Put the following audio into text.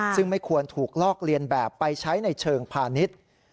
ซึ่งไม่ควรถูกลอกเลียนแบบไปใช้ในเชิงพาณิชย์